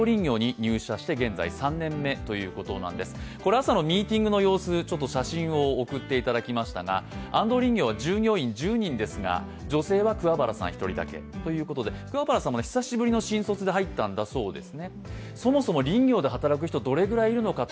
朝のミーティングの様子、写真を送っていただきましたが、安藤林業は従業員１０人ですが女性は桑原さんだけだそうで、桑原さんも久しぶりの新卒で入ったんだそうです。